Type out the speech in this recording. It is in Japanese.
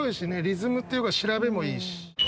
リズムっていうか調べもいいし。